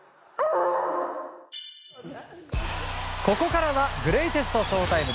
ここからはグレイテストＳＨＯ‐ＴＩＭＥ！